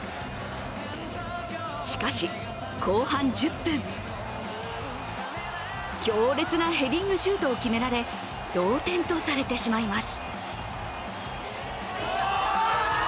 しかし、後半１０分強烈なヘディングシュートを決められ同点とされてしまいます。